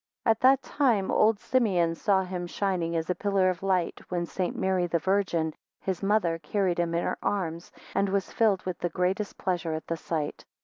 6 At that time old Simeon saw him shining as a pillar of light, when St. Mary the Virgin, his mother, carried him in her arms, and was filled with the greatest pleasure at the sight.